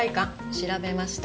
調べました。